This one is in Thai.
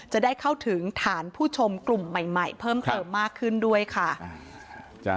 จะได้เข้าถึงฐานผู้ชมกลุ่มใหม่เพิ่มเติมมากขึ้นด้วยค่ะ